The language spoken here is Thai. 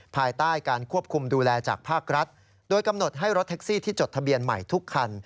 ภายใต้การควบคุมดูแลจากภาครัฐโดยกำหนดให้รถแท็กซี่ที่จดทะเบียนใหม่ทุกคัน